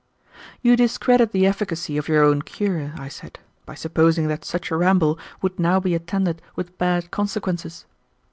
"You discredit the efficacy of your own cure," I said, "by supposing that such a ramble would now be attended with bad consequences."